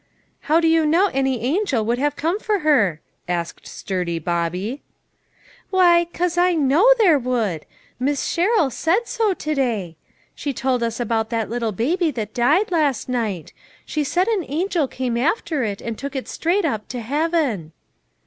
" How do you know any angel would have come for her ?" asked sturdy Bobby. " Why, 'cause I know there would. Miss Sherrill said so to day; she told us about that little baby that died last night ; she said an LITTLE FISHEKS : AND THEIE NETS. angel came after it and took it right straight up to heaven."